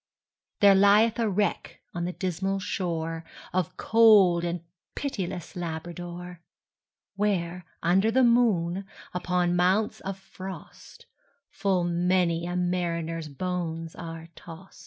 There lieth a wreck on the dismal shoreOf cold and pitiless Labrador; Where, under the moon, upon mounts of frost, Full many a mariner's bones are tost.